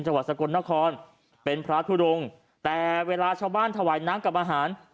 จังหวัดสกลนครเป็นพระทุดงแต่เวลาชาวบ้านถวายน้ำกับอาหาร